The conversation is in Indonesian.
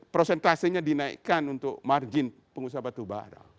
prosentasenya dinaikkan untuk margin pengusaha batu barah